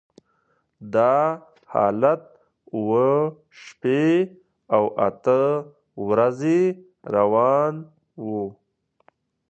دا حالت اوه شپې او اته ورځې روان و.